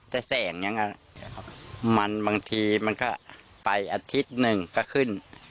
แต่แสงอย่างนั้นมันบางทีมันก็ไปอาทิตย์หนึ่งก็ขึ้น